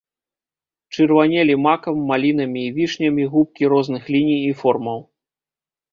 Чырванелі макам, малінамі і вішнямі губкі розных ліній і формаў.